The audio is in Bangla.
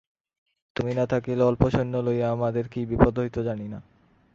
তুমি না থাকিলে অল্প সৈন্য লইয়া আমাদের কী বিপদ হইত জানি না।